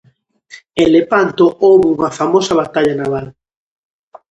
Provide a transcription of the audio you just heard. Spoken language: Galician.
En Lepanto houbo unha famosa batalla naval.